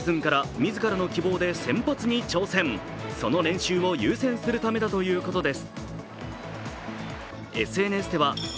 ２その練習を優先するためだということです。